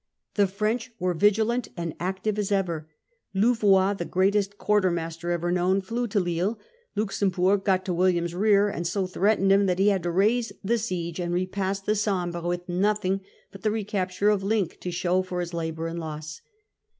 The French were vigilant and active as ever. Louvois, ' the greatest quartermaster ever known,' flew to Lille ; Luxemburg got to William's rear and so threatened him that he had to raise the siege and repass the Sambre with nothing but the recapture of Link to show for his labour and loss.